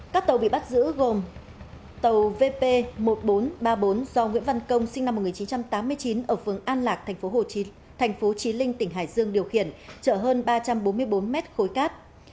các tàu bị bắt giữ gồm tàu vp một nghìn bốn trăm ba mươi bốn do nguyễn văn công sinh năm một nghìn chín trăm tám mươi chín ở phường an lạc tp trí linh tỉnh hải dương điều khiển chở hơn ba trăm bốn mươi bốn mét khối cát